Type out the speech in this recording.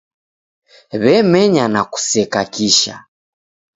W'emenya na kuseka kisha.